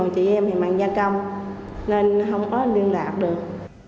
chị em thì mình gia công nên không có liên lạc được